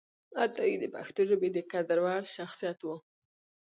عطایي د پښتو ژبې د قدر وړ شخصیت و